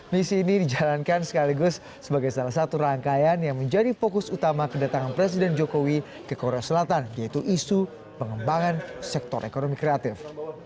misi ini dijalankan sekaligus sebagai salah satu rangkaian yang menjadi fokus utama kedatangan presiden jokowi ke korea selatan yaitu isu pengembangan sektor ekonomi kreatif